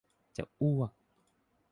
จะอ้วก